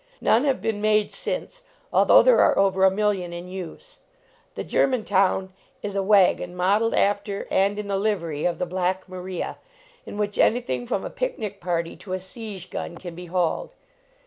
None have been made since, although there are over a million in use. The Germantown is a wagon modeled after and in the livery of the Black Maria, in which anything from a picnic party to a siege gun can be hauled.